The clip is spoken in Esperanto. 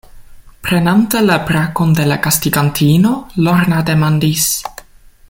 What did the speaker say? Prenante la brakon de la gastigantino, Lorna demandis: